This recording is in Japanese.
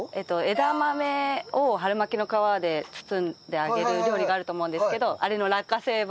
枝豆を春巻きの皮で包んで揚げる料理があると思うんですけどあれの落花生版を。